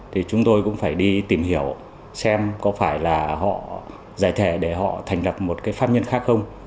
thì chúng tôi cũng phải đi tìm hiểu xem có phải là họ giải thẻ để họ thành lập một pháp nhân khác không